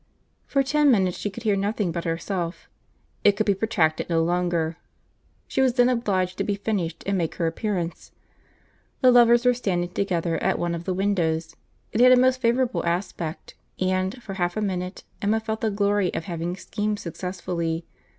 For ten minutes she could hear nothing but herself. It could be protracted no longer. She was then obliged to be finished, and make her appearance. The lovers were standing together at one of the windows. It had a most favourable aspect; and, for half a minute, Emma felt the glory of having schemed successfully.